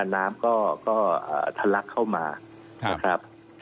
น้ำก็ทะลักเข้ามานะครับ